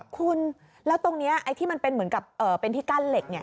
คุณแล้วตรงนี้ไอ้ที่มันเป็นเหมือนกับเป็นที่กั้นเหล็ก